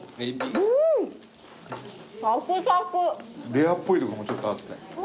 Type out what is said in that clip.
レアっぽいとこもちょっとあって。